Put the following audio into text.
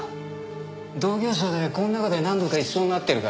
同業者でこの中で何度か一緒になってるからね。